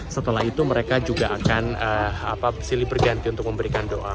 setelah itu mereka juga akan silih berganti untuk memberikan doa